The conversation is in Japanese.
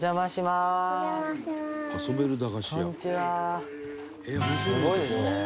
すごいですね。